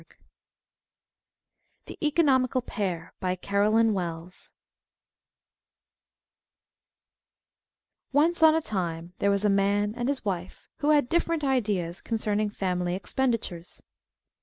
_" THE ECONOMICAL PAIR BY CAROLYN WELLS Once on a Time there was a Man and his Wife who had Different Ideas concerning Family Expenditures.